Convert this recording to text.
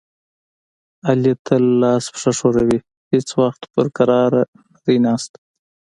علي تل لاس پښه ښوروي، هېڅ وخت په کرار نه دی ناست.